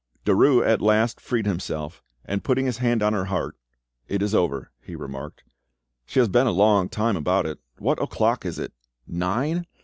Derues at last freed himself, and putting his hand on her heart, "It is over," he remarked; "she has been a long time about it. What o'clock is it? Nine!